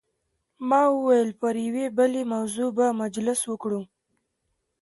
ما وویل پر یوې بلې موضوع به مجلس وکړو.